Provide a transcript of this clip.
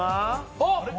あっ！